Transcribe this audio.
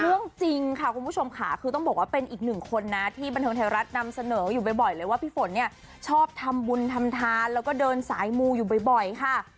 เรื่องจริงค่ะคุณผู้ชมค่ะคือต้องบอกว่าเป็นอีกหนึ่งคนนะที่บันเทิงไทยรัฐนำเสนออยู่บ่อยเลยว่าพี่ฝนเนี่ยชอบทำบุญทำทานแล้วก็เดินสายมูอยู่บ่อยค่ะ